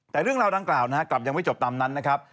แต่เรื่องราวดังกล่าวนะครับกลับยังไม่จบตามนั้นนะครับ